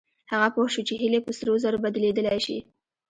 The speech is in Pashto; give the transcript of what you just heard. هغه پوه شو چې هيلې په سرو زرو بدلېدلای شي.